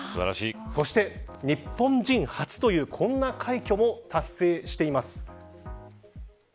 そして日本人初というこんな快挙も達成しています。